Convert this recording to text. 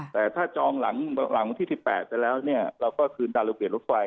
แต่ถ้าจองหลังวันที่๑๘ไปแล้วเราก็คืนตั๋วเรียนลดไฟ